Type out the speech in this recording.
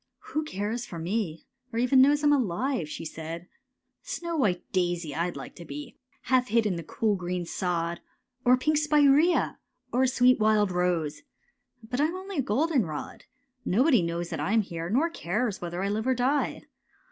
" Who cares for me, Or knows I'm alive? '' she said. << A snow white daisy I'd like to be, Half hid in the cool green sod: Or a pink spirea, or sweet wild rose— But I'm only a goldenrod. I 222 GOLDENROD 223 ^' Nobody knows that I'm here, nor cares Whether I live or die!